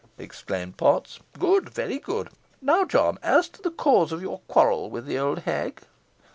exclaimed Potts, "good! very good. Now, John, as to the cause of your quarrel with the old hag?"